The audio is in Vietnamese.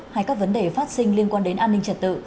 hay các vấn đề phát sinh liên quan đến an ninh trật tự